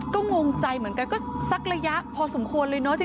ก็งงใจเหมือนกันก็สักระยะพอสมควรเลยเนอะ